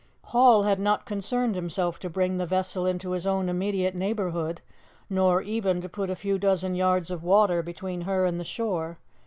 Hall had not concerned himself to bring the vessel into his own immediate neighbourhood, nor even to put a few dozen yards of water between her and the shore.